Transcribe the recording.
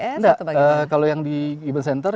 atau bagaimana kalau yang di event center